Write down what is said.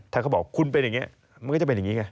ถ้าเขาบอกคุณเป็นอย่างนี้มันก็จะเป็นอย่างนี้ไง